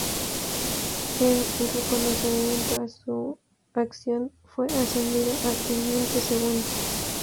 En reconocimiento a su acción, fue ascendido a teniente segundo.